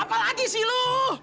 apa lagi sih lu